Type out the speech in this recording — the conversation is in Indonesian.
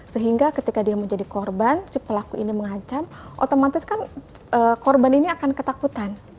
sehingga ketika dia menjadi korban si pelaku ini mengancam otomatis kan korban ini akan ketakutan